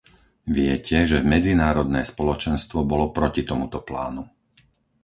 Viete, že medzinárodné spoločenstvo bolo proti tomuto plánu.